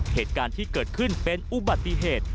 เหตุการณ์ที่เกิดขึ้นเป็นอุบัติเหตุ